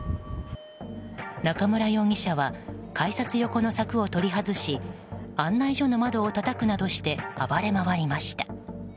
中村容疑者は改札横の柵を取り外し案内所の窓をたたくなどして暴れ回りました。